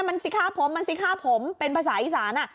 มันสิฆ่าผมมันสิฆ่าผมเป็นภาษาอีสาน